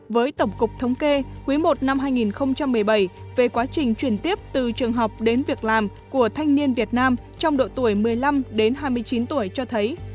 với tổng cục thống kê quý i năm hai nghìn một mươi bảy về quá trình chuyển tiếp từ trường học đến việc làm của thanh niên việt nam trong độ tuổi một mươi năm đến hai mươi chín tuổi cho thấy